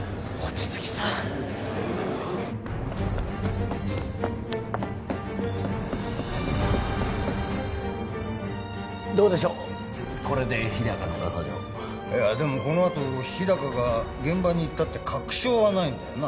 望月さんどうでしょうこれで日高のガサ状いやでもこのあと日高が現場に行ったって確証はないんだよな？